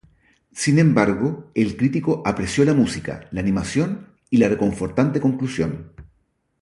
Sin embargo, el crítico apreció la música, la animación y la reconfortante conclusión.